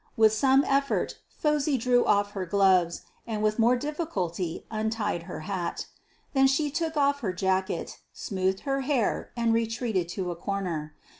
With some effort Phosy drew off her gloves, and with more difficulty untied her hat. Then she took off her jacket, smoothed her hair, and retreated to a corner.